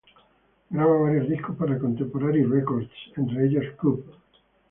Graba varios discos para Contemporary Records, entre ellos "Coop!